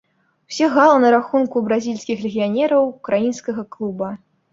Усе галы на рахунку бразільскіх легіянераў украінскага клуба.